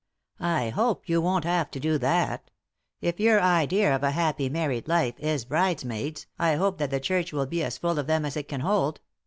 " I hope yon won't have to do that If your idea of a happy married life is bridesmaids I hope that the church will be as full of them as it can hold.